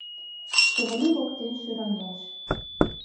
Чывыли воктен шӱраҥеш